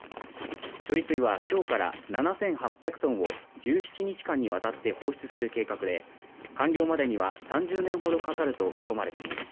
処理水は今日から７８００ｔを１７日間にわたって放出する計画で完了までには３０年ほどかかると見込まれています。